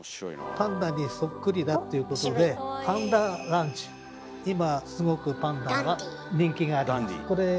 パンダにそっくりだっていうことで今すごく「パンダ」は人気があります。